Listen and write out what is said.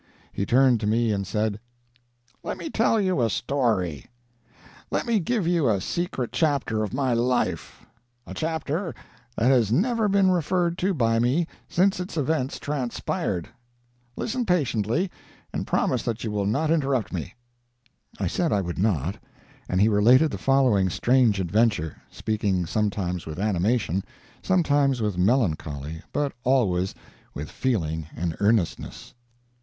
He turned to me and said, "Let me tell you a story; let me give you a secret chapter of my life a chapter that has never been referred to by me since its events transpired. Listen patiently, and promise that you will not interrupt me." I said I would not, and he related the following strange adventure, speaking sometimes with animation, sometimes with melancholy, but always with feeling and earnestness.